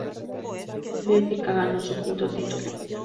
Benfica ganó su quinto título.